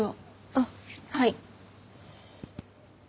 あっはい。